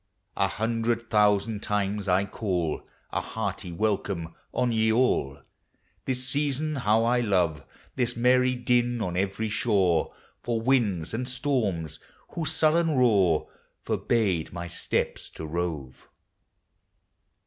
THE SEASONS. T9 A hundred thousand times I call A hearty welcome on ye all ! This season how 1 love — This merry din on every shore — For winds and storms, whose sullen roar Forbade my steps to rove.